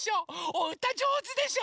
おうたじょうずでしょ？